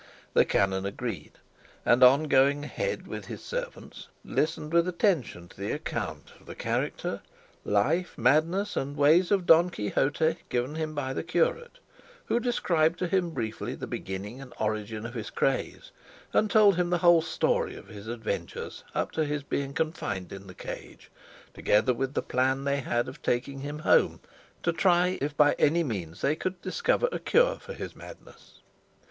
The canon agreed, and going on ahead with his servants, listened with attention to the account of the character, life, madness, and ways of Don Quixote, given him by the curate, who described to him briefly the beginning and origin of his craze, and told him the whole story of his adventures up to his being confined in the cage, together with the plan they had of taking him home to try if by any means they could discover a cure for his madness.